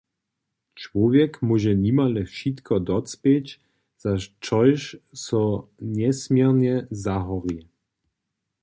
Čłowjek móže nimale wšitko docpěć, za čož so njesměrnje zahori.